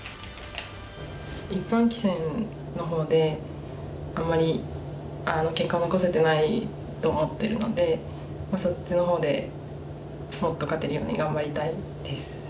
一般棋戦の方であんまり結果を残せてないと思ってるのでそっちの方でもっと勝てるように頑張りたいです。